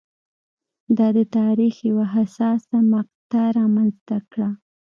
دا د تاریخ یوه حساسه مقطعه رامنځته کړه.